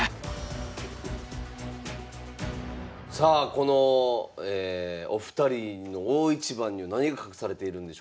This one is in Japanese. さあこのお二人の大一番には何が隠されているんでしょうか。